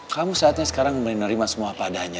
kamu saatnya sekarang menerima semua apa adanya